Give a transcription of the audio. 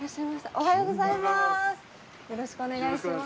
おはようございます！